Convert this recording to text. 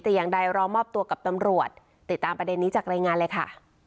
แต่อย่างใดรอมอบตัวกับตำรวจติดตามประเด็นนี้จากรายงานเลยค่ะ